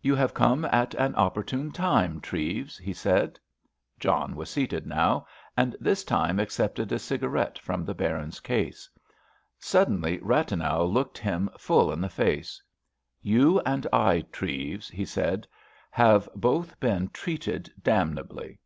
"You have come at an opportune time, Treves," he said. John was seated now, and this time accepted a cigarette from the Baron's case. Suddenly, Rathenau looked him full in the face. "You and I, Treves," he said, "have both been treated damnably!"